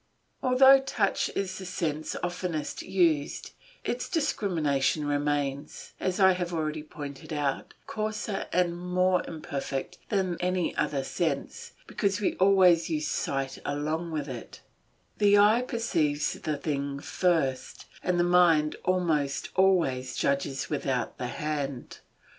Although touch is the sense oftenest used, its discrimination remains, as I have already pointed out, coarser and more imperfect than that of any other sense, because we always use sight along with it; the eye perceives the thing first, and the mind almost always judges without the hand.